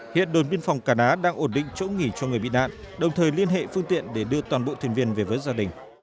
hiện đồn biên phòng cà ná đang ổn định chỗ nghỉ cho người bị nạn đồng thời liên hệ phương tiện để đưa toàn bộ thuyền viên về với gia đình